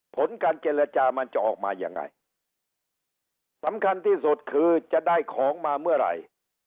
ผลการเจรจามันจะออกมายังไงสำคัญที่สุดคือจะได้ของมาเมื่อไหร่